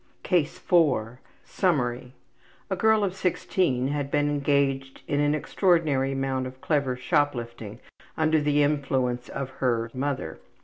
CASE 4 Summary: A girl of 16 had been engaged in an extraordinary amount of clever shoplifting under the influence of her ``mother.''